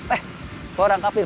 eh kok orang kafir